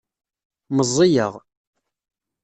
Meẓẓiyeɣ.